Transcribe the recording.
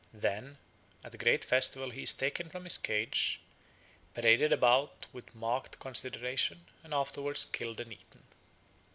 Then at a great festival he is taken from his cage, paraded about with marked consideration, and afterwards killed and eaten.